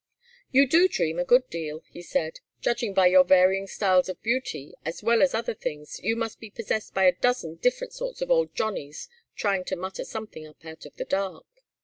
"You do dream a good deal," he said. "Judging by your varying styles of beauty as well as other things, you must be possessed by a dozen different sorts of old Johnnies trying to mutter something up out of the dark."